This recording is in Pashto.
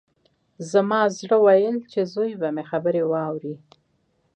زما زړه ويل چې زوی به مې خبرې واوري.